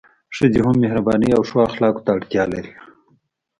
ښځي هم مهربانۍ او ښو اخلاقو ته اړتیا لري